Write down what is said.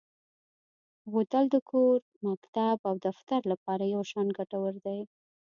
بوتل د کور، مکتب او دفتر لپاره یو شان ګټور دی.